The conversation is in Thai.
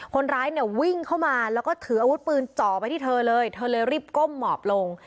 คนร้ายเนี่ยวิ่งเข้ามาแล้วก็ถืออาวุธปืนจ่อไปที่เธอเลยเธอเลยรีบก้มหมอบลง